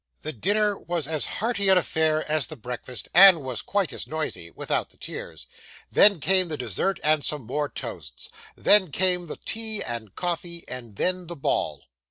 The dinner was as hearty an affair as the breakfast, and was quite as noisy, without the tears. Then came the dessert and some more toasts. Then came the tea and coffee; and then, the ball.